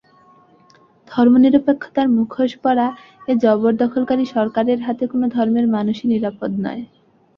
ধর্মনিরপেক্ষতার মুখোশ পরা এ জবরদখলকারী সরকারের হাতে কোনো ধর্মের মানুষই নিরাপদ নয়।